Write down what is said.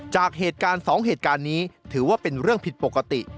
จาก๒เหตุการณ์นี้ถือว่าเป็นเรื่องผิดปกติ